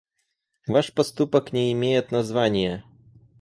Ваш поступок не имеет названия.